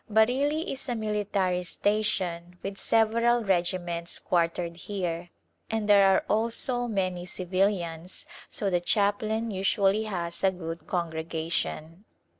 Bareilly is a military station with several regiments quartered here, and there are also many civilians so the chaplain usually has a good congregation.